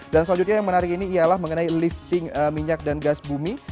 dan selanjutnya yang menarik ini ialah mengenai lifting minyak dan gas bumi